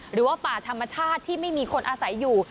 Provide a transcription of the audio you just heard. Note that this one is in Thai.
หรือว่าป่าธรรมชาติที่ไม่มีคนอาศัยอยู่